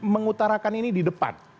mengutarakan ini di depan